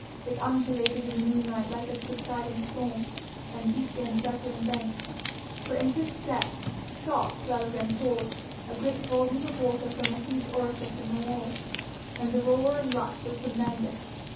It undulated in the moonlight like a subsiding storm, and beat the encircling banks. For into its depths shot rather than poured a great volume of water from a huge orifice in the wall, and the roar and the rush were tremendous.